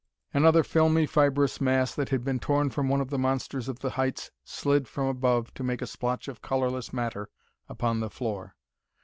Another filmy, fibrous mass that had been torn from one of the monsters of the heights slid from above to make a splotch of colorless matter upon the floor.